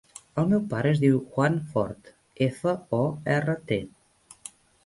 El meu pare es diu Juan Fort: efa, o, erra, te.